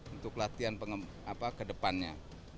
untuk latihan ke depannya